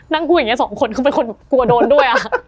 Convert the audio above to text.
นั่งกูอย่างงี้สองคนเขาเป็นคนกลัวโดนด้วยอะ